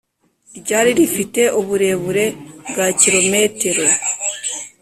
ryari rifite uburebure bwa kilometero